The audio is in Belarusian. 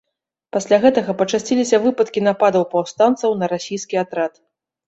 Пасля гэтага пачасціліся выпадкі нападаў паўстанцаў на расійскі атрад.